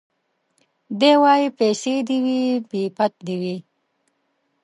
دی وايي پيسې دي وي بې پت دي وي